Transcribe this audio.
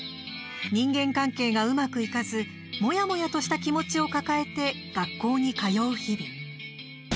人間関係がうまくいかずもやもやとした気持ちを抱えて学校に通う日々。